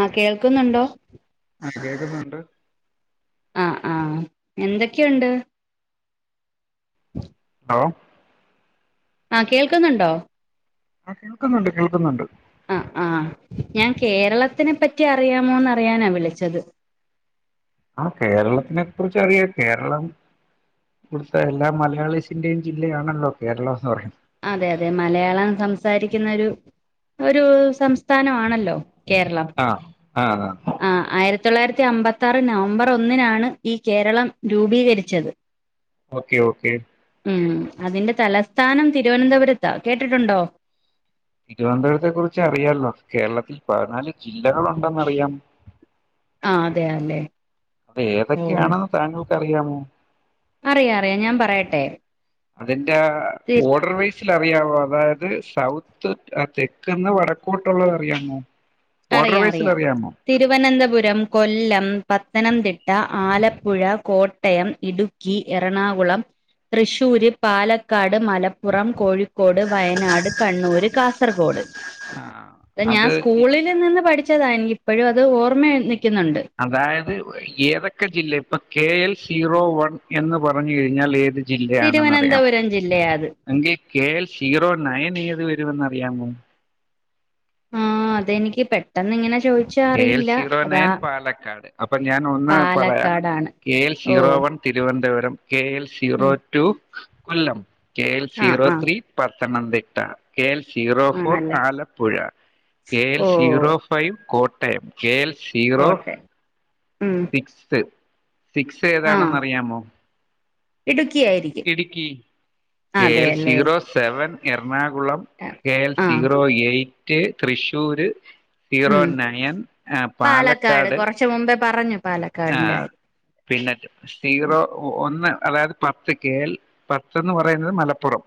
ആ കേൾക്ക ക്കുന്നുണ്ടോ കേക്ക്ന്നുണ്ട് ആ ആ എന്തൊക്കെയുണ്ട് ഉ ഹലോ ആ കേൾക്കുന്നുണ്ടോ ആ കേൾക്കുന്നുണ്ട് കേൾക്കുന്നുണ്ട് ആ ആ ഞാൻ കേരളത്തിനെ പറ്റി അറിയാമോന്ന് അറിയാനാ വിളിച്ചത് ആ കേരളത്തിനെ കുറിച്ച് അറിയാം കേരളം കൊടുത്ത എല്ലാ മലയാളിസിന്റെയും ജില്ലയാണല്ലോ കേരളംന്ന് പറയുന്നത് അതെ അതെ മലയാളം സംസാരിക്കുന്ന ഒരു ഒരു സംസ് സ്ഥാനമാണല്ലോ കേരളം ആ ആ തൊള്ളായിരത്തി അമ്പത്താറ് നവംബർ ഒന്നിനാണ് ഈ കേരളം രൂപീകരിച്ചത് ഓക്കെ ഓക്കെ ഉം അതിന്റെ തലസ്ഥാനം തിരുവനന്തപുരത്താ കേട്ടിട്ടുണ്ടോ തിരുവനന്തപുരത്തെ കുറിച്ച് അറിയാലോ കേരളത്തിൽ പതിനാല് ജില്ലകളുണ്ടെന്നറിയാം ആ അതെ അല്ലെ അത് ഏതൊക്കെയാണെന്ന് താങ്കൾ അറിയാമോ അറിയ അറിയാം ഞാൻ പറയട്ടെ അതെ എ തി ഓർഡർ വൈസിൽ അറിയവോ അതായത് സൗത്ത് തെക്കന്ന് വടക്കോട്ടുള്ളത് അറിയാമോ ഓർഡർ അറിയ വൈസിൽ അറിയാം അറിയാമോ തിരുവനന്തപുരം കൊല്ലം പത്തനംതിട്ട ട്ട ആലപ്പുഴ കോട്ടയം ഇടുക്കി എറണാകുളം തൃശ്ശൂര് പാലക്കാട് മലപ്പുറം കോഴിക്കോട് ക്കോട് വയനാട് കണ്ണൂര് കാസർഗോഡ് ആ അത് പഠിച്ചതായി എനി ഇപ്പോഴും അത് ഓർമ്മയനിക്ക് അതായത് ഏതൊക്കെ ജില്ല ഇപ്പൊ കെ എൽ സീറോ വൺ എന്ന് പറഞ്ഞു കഴിഞ്ഞാൽ ഏത് ജി ജില്ലയാണെന്നറിയാം തിരുവനന്തപുരം ജില്ലയാ അത് എങ്കിൽ കെ എൽ സീറോ നയൺ എത് ജി അത് വരുമെന്ന് അറിയാമോ ആ അതെനിക്ക് പെട്ടെന്ന് ഇങ്ങനെ ചോദിച്ചാ കെ എൽ അറിയില്ല സീറോ അതാ നയൺ പാലക്കാട് അപ്പൊ ഞാൻ ഒന്ന് പറയാം പാലക്കാടാണ് കെ എൽ ഓ zero one Thiruvananthapuram K L ഉം zero two Kollam K L ആ സീറോ ആ three Pathanamthitta K L zero four ആണല്ലേ ആലപ്പുഴ കെ എൽ ഓ zero five Kottayam K L zero കോട്ടെ ഉം സിക്സ് സിക്സ് ആ ഏതാണെന്ന് അറിയാമോ ഇടുക്കി ആയിരിക്കും ഇടുക്കി കെ ഏൽ അതെല്ലേ zero seven Ernakulam K L ആഹ് zero eight Thrissur zero ഉം നയൻ ആഹ് പാലക്കാട് കൊറച്ച് മുമ്പേ പറഞ്ഞു പാലക്കാടിന്റെ ആഹ് കാര്യം പിന്നെ സീറോ ഒന്ന് അതായത് പത്ത് കേൽ പത്ത്ന്ന് പറയുന്നത് മലപ്പുറം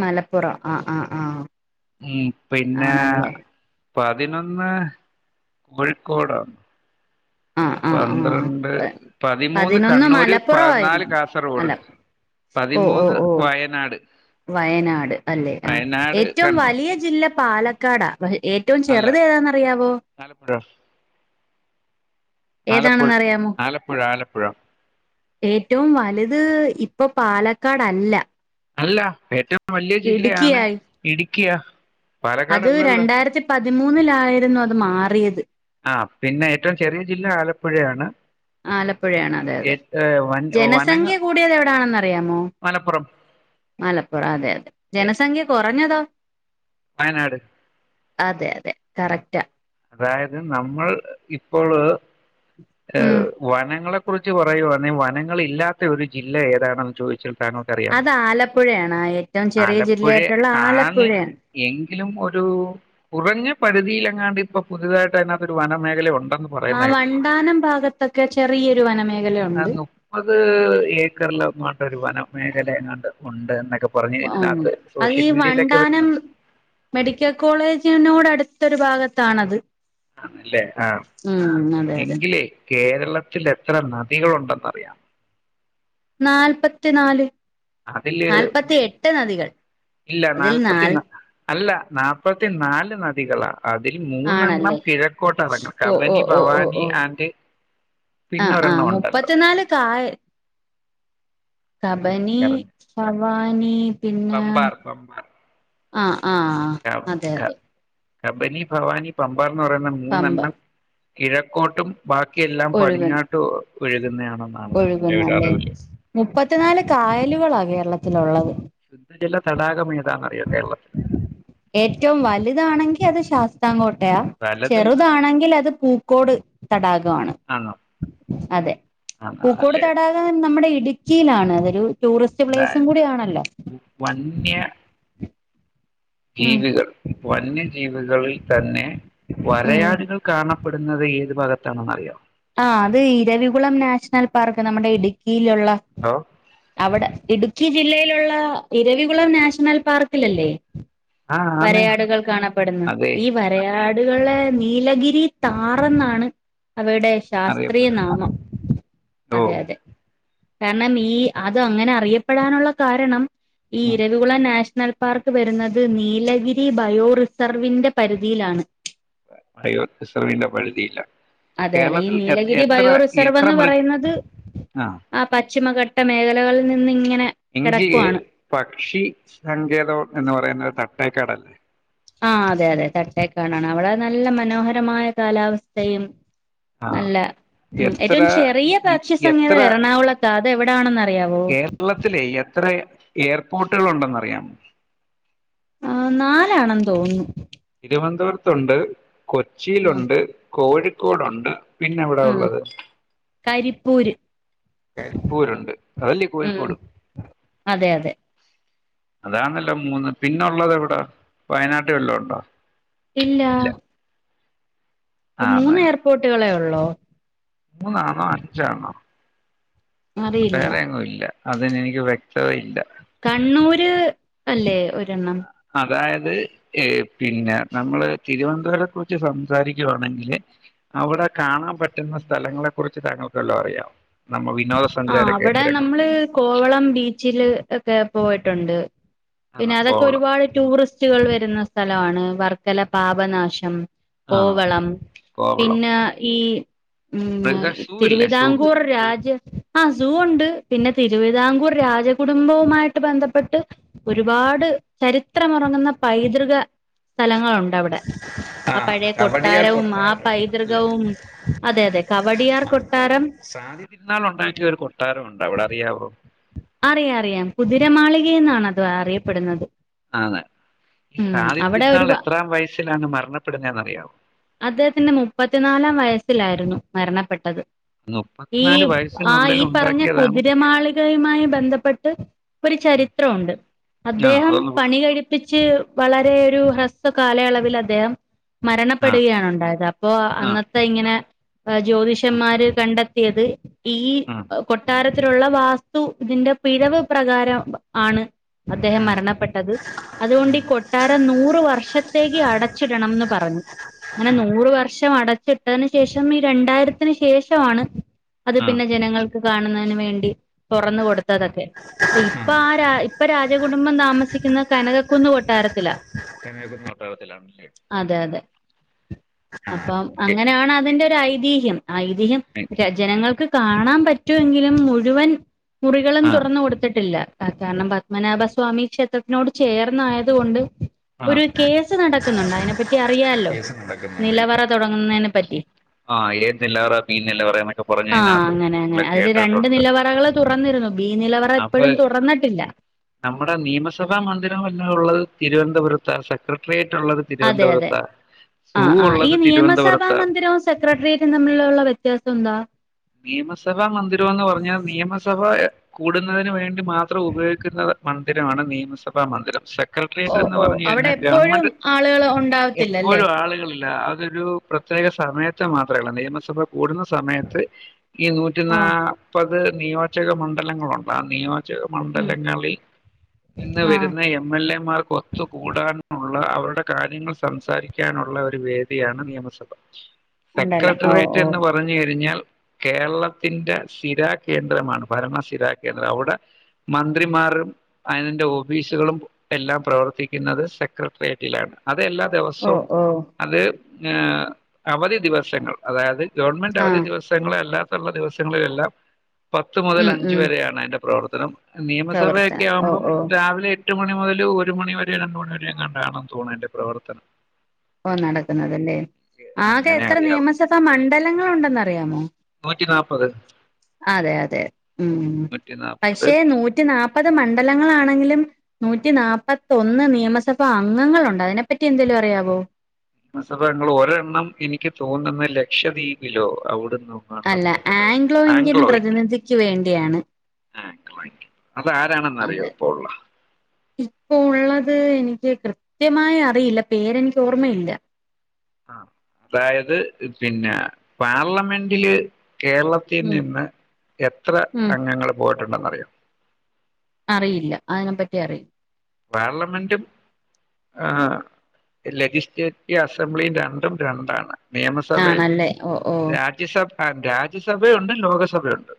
മലപ്പുറം ആ ആ ആ ഉം പിന്നെ ആണല്ലേ പതിനൊന്ന് കോഴിക്കോടാ ആഹ് ആഹ് ആഹ് പന്ത്രണ്ട് പതിമൂന്ന് പതിനൊന്ന് കണ്ണൂര് പതിനാല് മലപ്പുറമായിരുന്നു കാസർഗോഡ് അല്ല ഓ ഓ പതിമൂന്ന് ഓ വയനാട് വയനാട് അല്ലെ ആഹ് വയനാട് ഏറ്റവും കണ്ണൂർ വലിയ ജില്ല പാലക്കാടാ ഏറ്റവും അല്ല ചെറു തെതാന്നറിയാവോ ആലപ്പുഴ ആലപ്പു ഏതാണെന്നറിയാമോ ആലപ്പുഴ ആലപ്പുഴ ഏറ്റവും വലുത് ഇപ്പൊ പാലക്കാടല്ല അല്ല ഏറ്റം വലിയ ജില്ലയാണ് ഇടുക്കിയായി ഇടു ക്കിയാ അത് രണ്ടായിരത്തി പതിമൂന്നിലായിരുന്നു അത് മാറിയത് ആ പിന്നെ ഏറ്റവും ചെറിയ ജില്ല ആലപ്പുഴയാണ് ആലപ്പുഴയാണ് അതെ ഏ അതെ ഏ, വൻ വനങ്ങ ജനസംഖ്യ കൂടിയത് എവിടാണന്നറിയാമോ മലപ്പുറം മലപ്പുറം അതെ അതെ ഏ, ജനസംഖ്യ കൊറ പഞ്ഞതോ വയനാട് അതെ അതെ കറക്റ്റാ അതായത് നമ്മൾ ഇപ്പോള് ഏ ഉം വനങ്ങളെ കുറിച്ച് പറയുവാന്നെ വനങ്ങൾ ഇല്ലാത്ത ഒരു ജില്ല ഏതാണെന്ന് ചോയി ച്ചു ഫാനോക്കറിയാം അത് ആലപ്പുഴയാണ് ഏറ്റവും ചെറിയ ആലപ്പുഴെ ജില്ലയായിട്ടുള്ള ആണ് ആലപ്പുഴയാണ് എങ്കിലും ഒരു കുറഞ്ഞ പരിധിയില അഭി പ്പം പുതുതായിട്ട് അതിനാത്ത് ഒരു വനമേഖലയു ആ വണ്ടാനം ഭാഗത്തൊക്കെ ചെറിയരു വനമേഖല ആ ഉണ്ട് രു വന മേഖലെ എങ്ങാണ്ട് ഉണ്ട്ന്നൊക്കെ വാ ഒണ്ട് അത് ഈ വണ്ടാനം വരുന്നുണ്ട് മെഡിക്കൽ കോളേജിനോട് അട് ത്തൊരു ഭാഗത്താണത് ആണല്ലേ ആ ഉം അതെ അതെ എങ്കിലേ കേരളത്തിൽ എത്ര നദികളുണ്ടെന്നറിയാം നാല്പ്ത്തി നാല് അതില് ഇല്ല അതിൽ നാല്പത്തി നാൽ നാ അല്ല നാപ്പത്തി നാല് നദികളാ അതിൽ മൂന്നെണ്ണം ആണല്ലേ കിഴക്കോട്ട ഇടങ്ങും ഓ ഓ കബനി ഓ ഓ ഭവാനി ഓ ആൻഡ് ആ ആ പിന്നൊരെണ്ണണ്ടല്ലോ മുപ്പത്തിനാല് കായ കബനി എനിക്കറിഞ്ഞു വാണി പമ്പാർ പമ്പാർ ആ [inaudible] കബനി ഫവാനി പമ്പാർ റയുന്ന മൂന്നെണ്ണം കിഴക്കോട്ടും ബാക്കിയെല്ലാം ഒഴുക് പടിഞ്ഞാട്ടും ഒഴുകുന്നതാണെന്നാണ് എൻ്റെ ഒഴുകുന്നല്ലേ ഒരറിവില് മുപ്പത്തിനാല് കായലുകളാ കേരളത്തി ത്തിലുള്ളത് ശുദ്ധജല തടാകമേ ഏറ്റവും വലുതാണെ ങ്കി അത് ശാസ്താകോ ട്ടയാ പലതും ചെറുതാണെങ്കിലത് പൂക്കോട് തടാകവാണ് ആണോ അതെ ആണ് പൂക്കോട് അല്ലേ തടാകം നമ്മുടെ ഇ ഇടുക്കിലാണ് അതൊരു ടൂറിസ്റ്റ് പ്ലേസും അതായത് കൂടി ആണല്ലോ വന്യ ജീവികൾ വന്യജീവികളിൽ തന്നെ ഉം വരയാടുകൾ കാണപ്പെടുന്നത് ഏത് വിഭാഗത്താണെന്ന് അറിയവോ ആ അത് ഇരവികുളം നാഷണൽ പാർക്ക് നമ്മുടെ ഇടു ക്കിലോള്ള ഹലോ അവിടെ ഇടു ക്കി ജില്ലലോള്ള ഇരവികുളം നാഷണൽ പാർക്കിലല്ലേ ആഹ് ആന്ന് വരയാടുകൾ കാണപ്പെടുന്നു അതെ ഈ വരയാ ടുകളെ നീലഗിരി താറന്നാണ് അവടെ ശാസ്ത്രീയ അറിയപ്പെടുന്നത് നാമം ഓ അതെ അതെ കാരണം ഈ അത് അങ്ങനെ അറിയപ്പെടാനുള്ള കാരണം ഈ ഉം ഇരവിക്കുളം നാഷ് ണൽപ്പാർക്ക് വരുന്നത് നീലഗിരി ബയോറിസർവിന്റെ പരിധിയിലാണ് ബയോറിസർവിന്റെ പരുധിലാ അതെ അതെ ഈ നീലഗിരി ബയോ റിസർവ് എത്ര എന്ന് മൃ പറയുന്നത് ആഹ് ആ പശ്ചിമഘട്ട മേഖലകളിൽ നിന്ന് ഇങ്ങനെ ഇങ്കിയേ കിടക്കുവാണ് പക്ഷി സങ്കേതം എന്ന് പറയുന്നത് തട്ട തേക്കാടല്ലേ ആ അതെ അതെ തട്ടേക്കാടാണ് അവിടെ നല്ല മനോഹരമായ കാലാവസ്ഥയും ആഹ് നല്ല ഉം എത്ര ഏറ്റവും ചെറിയ ഈ- പക്ഷി എത്ര സങ്കേതം എറണാകുളത്താ അത് എവിടാണെന്നാ കേരളത്തിലെ എത്ര എയർപോർട്ടുകൾ ഉണ്ടെന്നറിയാമോ ആ നാലാണെന്ന് തോന്നുന്നു തിരുവനന്തപുരത്തൊണ്ട് കൊച്ചിയിലൊണ്ട് കോഴി ക്കോടുണ്ട് ആ കരിപ്പൂര് കരിപ്പൂരുണ്ട് അതല്ലേ ഉം കോഴിക്കോട് അതെ അതെ അതാണല്ലോ മൂന്ന് പിന്നൊള്ളത് എവിടാ വയനാട്ടീ വല്ലോം ഒണ്ടോ ഇല്ല ഇപ്പം മൂന്ന് ആന്നല്ലേ എയർപോർട്ടുകളേഒ ള്ളോ മൂന്നാണോ അഞ്ചാണോ അറിയില്ല വേറെയെങ്ങു ഇല്ല അതിനെനിക്ക് വ്യക്തത ഇല്ല കണ്ണൂര് അല്ലേ ഒരെണ്ണം അതായത് എ പിന്നെ നമ്മള് തിരുവനന്തപുരേ കുറിച്ച് സംസാരിക്കുവാണെങ്കില് അവിടെ കാണാൻ പറ്റുന്ന സ്ഥലങ്ങളെ കുറിച്ച് താങ്കൾക്ക് വെല്ലോം അറിയാമൊ നമ്മളി ആ അവിടെ നമ്മള് കോവളം ബീച്ചില് ഒക്കെ പോയിട്ടുണ്ട് പിന്നെ ആഹ് അതൊക്കെ കോവളം ഒരുപാട് ടൂറിസ്റ്റുകൾ വരുന്ന സ്ഥലമാണ് വർക്കല പാപനാശം ആഹ് കോവളം കോവളം പിന്നെ ഈ ഉം മൃഗ സൂ ഇല്ലേ സൂ തിരുവിതാംകൂർ രാജ ണ്ട്അതുകൊണ്ട് പിന്നെ തിരുവിതാംകൂർ രാജകുടുംബവുമായിട്ട് ബന്ധപ്പെട്ട് ഒരുപാട് ചരിത്രം ഇറങ്ങുന്ന പൈതൃക സ്ഥലങ്ങളുണ്ട് ണ്ടവിടെ ആ ആഹ് പഴയ കവടിയാർ കൊട്ടാരവും ആ കൊട്ടാരം അല്ലെ പൈതൃകവും അതെ അതെ കവടിയാർ മാർത്താണ്ഡ കൊട്ടാരം സാദി തിരുനാൾ ഉണ്ടാക്കിയ ഒരു കൊട്ടാരം ഉണ്ട് അവിടെ അറിയാവോ അറിയാം അറിയാം കുതിരമാളിക എന്നാണ് അത് അറിയപ്പെടുന്നത് ആത ഈ ഉം അവിടെ സാധ്യത്തിരുന്നാൾ ഒരു എത്രാം വയസ്സിലാണ് മരണപ്പെടുന്നത്െന്നറിയാവോ അദ്ദേഹത്തിന്റെ മുപ്പത്തിനാലാം വയസ്സിലായിരുന്നു മരണപ്പെട്ടത് ഈ ആ വയസ്സിനുള്ളിൽ ഈ പറഞ്ഞ ഉണ്ടാക്കിയതാണ് കുതിരമാളി യുമായി ബന്ധപ്പെട്ട് ഒരു ഉം ചരിത്രമുണ്ട് ആഹ് അദ്ദേഹം അതൊന്ന് പണി കഴിപ്പിച്ച് വളരെ ഒരു ഹ്രസ്വ കാലയളവിൽ അദ്ദേഹം ആഹ് മരണപ്പെടുകയണ ഉണ്ടായത് അപ്പോൊ ആഹ് അന്നത്തെ ഇങ്ങനെ ആഹ് ജ്യോതിഷന്മാര് കണ്ട ത്തിത് ഈ ആഹ് കൊട്ടാര ത്തിലുള്ളാ ഇതിന്റെ പിഴവ് പ്രകാരം ആണ് അദ്ദേഹം ഉം മരണപ്പെട്ടത് അതുകൊണ്ട് ഈ കൊട്ടാരം നൂറ വർഷത്തേക്ക് അടച്ചിടണംന്ന് പറഞ്ഞു അങ്ങനെ ആഹ് നൂറ വർഷം ം അടച്ചിട്ടതിന് ശേഷം ഈ രണ്ടായിരത്തിന് ശേഷമാണ് അത് ആഹ് പിന്നെ ജനങ്ങൾ കാണുന്നതിന് വേണ്ടി തുറന്ന കൊടുത്തതൊക്കെ അപ്പ ഇപ്പൊ ആ രാ ഇപ്പൊ രാജകുടുംബം താമസിക്കുന്ന കനകക്കുന്ന് കൊട്ടാരത്തില്ല കന്യാകുമാരി പട്ടാളത്തിലാണല്ലേ അതെ അതെ അപ്പം അങ്ങനെയാണ് അതിന്റെ ഒരു ഐതിഹ്യം ആഐതിഹ്യം ജനങ്ങൾക്ക് കാണാൻ പറ്റുമെങ്കിലും മുഴുവൻ മുറികളും ആഹ് തുറന്ന കൊടുത്തിട്ടില്ല ആ കാരണം പത്മനാഭസ്വാമി ക്ഷേത്രത്തിനോട് ചേർന്നായത്ുകൊണ്ട് ആഹ് ഒരു കേസ് നടക്കുന്നുണ്ട് അതിനെ പറ്റി അറിയാല്ലോ കേസ് നടക്കുന്നുണ്ട്ല്ലേ നിലവറ തുടങ്ങുന്നതിനെ പറ്റി ആഹ് ഏത് നിലവറ പി നിലവറ എന്നൊക്കെ പറഞ്ഞ് ആ അതിനകത്ത് അങ്ങനെ അങ്ങനെ നമ്മള് അതില് രണ്ട് കേട്ടിട്ടുണ്ട് നിലവറകള അപ്പൊ നമ്മുടെ നിയമസഭാ മന്ദിരമല്ല ഉള്ളത് തിവനന്ത തിരുവനന്തപുരത്താ സെക്രട്ടറിയേറ്റ് അതെ അതെ ആ ആ ഈ ഉള്ളത് നിയമസഭാ തിരുവനന്തപുരത്താ മന്ദിരവും സെക്രട്ടേറിയേറ്റും തമ്മിലുള്ള വ്യത്യാസം എന്താ നിയമസഭാ മന്ദിരംന്ന് പറഞ്ഞാ നിയമസഭ കൂടുന്നതിന് വേണ്ടി മാത്രം ഉപയോഗിക്കുന്ന മന്ദിരമാണ് നിയമസഭാ മന്ദിരം സെ ഓ ക്രട്ടറിയേറ്റന്ന് ഓ പറഞ്ഞു അവിടെ കഴിഞ്ഞാൽ എപ്പോഴും ഗവൺമെന്റ് ആളുകള് ഉണ്ടാവത്തില്ലല്ലേ? എപ്പോഴും ആളുകളില്ല അതൊരു പ്രത്യേക സമയത്ത് മാത്രെ കാണു നിയമസഭ കൂടുന്ന സമയത്ത് ഈ നൂറ്റി ഓ നാപ്പ ത് നിയോജക മണ്ഡലങ്ങളുണ്ട് ആ നിയോ ജക ഉം മണ്ഡലങ്ങളിൽ നിന്ന് ആ വരുന്ന എം എൽ എ മാർക്ക് ഒത്തുകൂടാനുള്ള അവരുടെ കാര്യങ്ങൾ സംസാരിക്കാനുള്ള ഒരു വേദിയാണ് നിയമസഭ ഉണ്ടല്ലോ ഓ സെക്രട്ടറിയറ്റ് ഓ എന്ന് പറഞ്ഞു കഴിഞ്ഞാൽ കേരളത്തിന്റെ ശിരകേന്ദ്രമാണ് ഭരണശ്ശിരാകേന്ദ്രമാണ് അവിടെ മന്ത്രിമാറും അയിന്റെ ഓഫീസുകളും എല്ലാം പ്രവർത്തിക്കുന്നത് സെകട്ടറി ന്റിൽ ആണ് അത് എല്ലാ ഓ ദിവസവും ഓ അത് അവധിവദോവസങ്ങൾ അതായത് ഗവണ്മെന്റ് ആ അവധി ദിവസ ദിവസങ്ങളിൽ എല്ലാം പത്തു മുതൽ ഉം അഞ്ചു ഉം വരെ ആണ് അതിന്റെ പ്രവർ ത്തനം നിയമസഭയൊക്കെ പ്രവർത്തനം ഓ ആവുമ്പോൾ ഓ രാവിലെ [unintelligible] ഓ നടക്കുന്നതല്ലേ ആകെ അങ്ങനെ എത്ര അറിയാവു നിയമസഭ മണ്ഡലങ്ങളുണ്ട് എന്ന് അറിയാവോ നൂറ്റി നാപ്പത് അതെ അതെ നൂറ്റി നാപ്പത് പക്ഷെ നൂറ്റിനാൽപത് മണ്ഡലങ്ങളാണെങ്കിലും ഹമ് നുന്റിനാപതിഒന്ന് നിയമസഭ അംഗങ്ങൾ ഉണ്ട് അതിനെ പറ്റി എന്തെങ്കിലും അറിയോ നിയമസഭ അംഗങ്ങൾ ഒരണ്ണം എനിക്ക് തോന്നുന്നു ലക്ഷദ്വീപ്ല്ലോ അവിടെ ഇന്ത്യൻ [unintelligible] [unintelligible] അത് ആാരണെന്ന് അറിയോ ഇപ്പോ ഉള്ള ഇപ്പോ ഉള്ളത് എനിക്ക് കൃത്യമായി അറിയില്ല പേരെനിക്ക് ഓർമ്മയില്ല ആ അതായത് പിന്നെ പാർലമെന്റില് കേരളത്തിൽ ഉം നിന്ന് എത്ര ഉം അംഗങ്ങൾ വോ ണ്ടറിയോ അറിയില്ല അതിനെപ്പറ്റി അറും പാർലമെന്റും ആ ലെജിസ്ലേറ്റീവ് അസംബ്ലിയും രണ്ടും രണ്ടാണ് നിയമസഭയും ആണല്ലേ ഓ ഓ രാജ്യസഭ ആ രാജ്യസഭയുണ്ട് ലോകസഭയുണ്ട്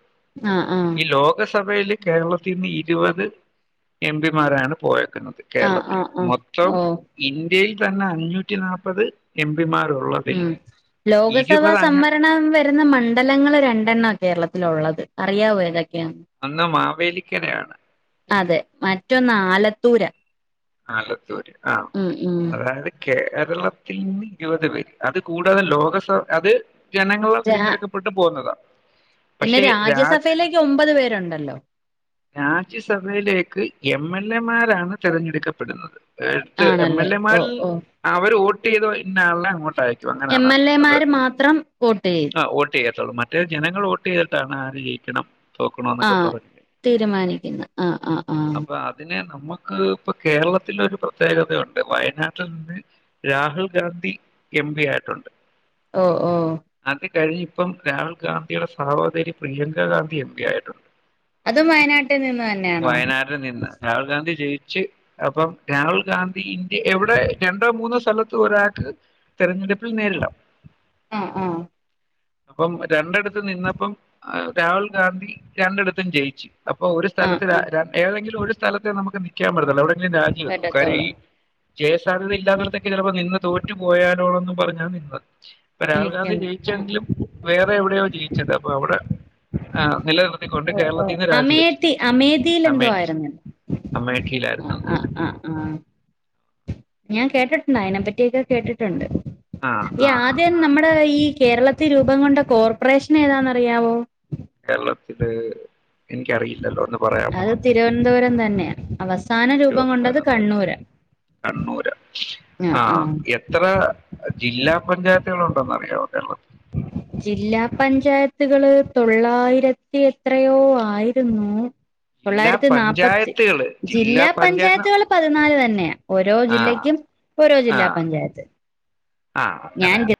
ആഹ ആഹ ലസഭയിൽ കേരളത്തിൽ നിന്ന് ഇരുപത് എം പിമാരാണ് പോയ ആഹ് കേരളത്തിൽ ആഹ് ആഹ് മൊത്തം ഓ ഇന്ത്യ ഇന്ത്യയിൽ തന്നെ അഞ്ഞൂറ്റി നാൽപ്പത് എം പിമാരുള്ളതിൽ ഉം ലോകസഭാ ഇരുപത് അംഗ സംവരണം വരുന്ന മണ്ഡലങ്ങൾ രണ്ടെണ്ണ കേരളത്തിലുള്ളത് അറിയാവോഏതക്കെ അന്ന് മാവേലിക്കരയാണ് മറ്റൊന്ന ആലത്തൂര ആല്ലത്തൂര് ആഹ അതായത് കേരളത്തിൽ നിന്ന് ഇരുപത് പേര് അത് കൂടാതെ ലോകസഭ അത് ജനങ്ങളോ രാ തിരഞ്ഞെടുക്കപ്പെട്ട് പോന്നതാ പിന്നെ പക്ഷെ രാജ് രാജ്യസഭയിലേക്ക് ഒമ്പത് പേരുണ്ടല്ലോ രാജ്യസഭയിലേക്ക് എം എൻ മാരാണ് തിരഞ്ഞെടുക്ക പ്പെടുന്നത് അടുത്ത് എം ആണല്ലേ എൽ ഓ എമാരിൽ ഓ അവര് വോട്ട് ചെയ്ത നാളെ അങ്ങോട്ടായി എം എൽ എമാര് മാത്രം വോട്ട് ചെയ്തു ആ വോട്ട് മറ്റേ ജനങ്ങൾ വോട്ട് ചെയ്തിട്ടാണ് ആര് ജയിക്കണം ആ തോക്കണമെന്നൊക്കെ പറഞ്ഞത് തീരുമാനിക്കുന്നു ആ ആ ആ നമക്ക് ഇപ്പ കേരളത്തില ഒരു പ്രത്യേകതയുണ്ട് വയനാട്ടിൽ നിന്ന് രാഹുൽ ഗാന്ധി എം പി ആയിട്ടുണ്ട് ഓ ഓ അത് കഴിഞ്ഞ് ഇപ്പം രാഹുൽ ഗാന്ധിയുടെ സഹോദരി പ്രിയങ്ക ഗാന്ധി എം പി ആയിട്ടുണ്ട് അത് വയനാട്ടിൽ നിന്ന് തന്നെയാണോ ച്ച് അപ്പം രാഹുൽ ഗാന്ധി ഇൻ എവിടേ രണ്ടോ മൂന്നോ സ്ഥലത്ത് ഒരാക്ക് തിരഞ്ഞെടുപ്പിൽ നേരിടാം ആ ആ അപ്പം രണ്ടടു ത്ത് നിന്നപ്പം ആഹ് രാഹുൽ ഗാന്ധി രണ്ടിടത്തും ജയിച്ചു. അപ്പൊ ഒരു ആഹ് സ്ഥലത്ത് ര ആഹ് രൺ ഏതെങ്കിലും ഒരു സ്ഥലത്തേ നമുക്ക് നി ക്കാൻ പറ്റത്തൊള്ളു അവിടെ രാജിവെക്കും കാര്യം വറ്റത്തോള് ഈ ജയസാധ്യത ഇല്ലാത്തടത്തൊക്കെ ചിലപ്പോ നിന്ന് തോറ്റു പോയാലോ പറഞ്ഞാൽ നിങ്ങൾ ഇപ്പൊ രാഹുൽ ഗാന്ധി നിക്കുന്നു ആഹ് ജയിച്ചെങ്കിലും വേറെ എവിടെയോ ജയി അപ്പൊ അവിടെ നിലനിർ ഓ ഓ അമേധി അമേധിയില എന്തോ അമേഠി ആയിന്ന അമേഠിയിലായിരുന്നു അ തോന്നുന്നു അ അ ആ ഞാൻ കേട്ടിട്ടുണ്ട അതിനെപ്പറ്റിയക്കെ കേട്ടിട്ടുണ്ട് ആ ആ ആദ്യം നമ്മുടെ ഈ കേരളത്തിൽ രൂപം കൊണ്ട കോർപ്പറേഷൻ ഏതാന്നറിയാവോ കേരളത്തില് എനിക്കറിയി അത് തിരുവനന്തപുരം തന്നെ തന്നെ [unintelligible] തിരുവനന്തപുരം തന്നെയാണ് കണ്ണൂര് ആ ആ ആഹ എത്ര ജില്ലാ പഞ്ചായത്തുകളുണ്ട് അ അറിയാവോ കേരളത്തില് ജില്ലാ പഞ്ചായത്തുകള് തൊള്ളായിരത്തി എത്രയോ ആയിരുന്നു ജില്ലാ തൊള്ളായിരത്തി നാല്പ്പത്തി പഞ്ചായത്തുകള് ജില്ലാ പഞ്ചായത്ത് പഞ്ചായത്തുകൾ പതിനാല് തന്നെയ ഓരോ ആഹ് ജില്ലക്കും ഓരോ ജില്ലാ ആഹ് പഞ്ചായത്ത് ആഹ് അങ്ങനെ ഞാൻ